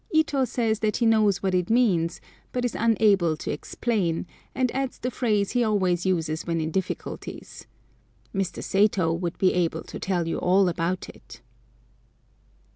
Ito says that he knows what it means, but is unable to explain, and adds the phrase he always uses when in difficulties, "Mr. Satow would be able to tell you all about it."